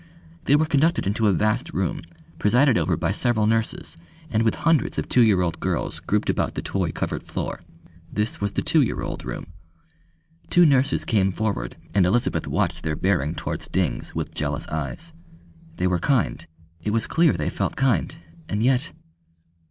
They were conducted into a vast room presided over by several nurses and with hundreds of two year old girls grouped about the toy covered floor. This was the Two year old Room. Two nurses came forward, and Elizabeth watched their bearing towards Dings with jealous eyes. They were kind it was clear they felt kind, and yet